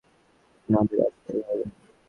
আপনাদের আসতেই হবে।